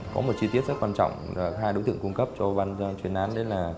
có một chi tiết rất quan trọng hai đối tượng cung cấp cho ban chuyên án đấy là